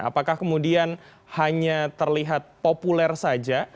apakah kemudian hanya terlihat populer saja